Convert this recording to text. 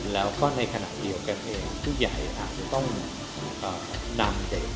แล้วก็ในขณะเดียวกันเองผู้ใหญ่อาจจะต้องนำเด็ก